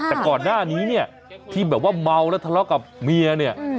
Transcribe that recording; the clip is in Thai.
แต่ก่อนหน้านี้เนี่ยที่แบบว่าเมาแล้วทะเลาะกับเมียเนี่ย